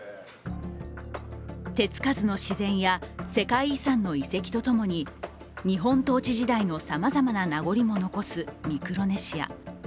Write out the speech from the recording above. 手つかずの自然や世界遺産の遺跡とともに日本統治時代のさまざまな名残も残すミクロネシア。